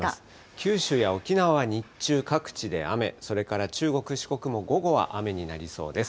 九州や沖縄は日中、各地で雨、それから中国、四国も午後は雨になりそうです。